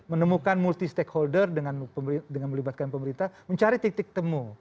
menemukan multi stakeholder dengan melibatkan pemerintah mencari titik temu